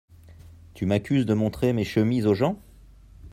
Tu m’accuses de montrer mes chemises aux gens !